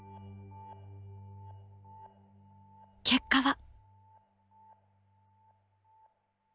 結果は？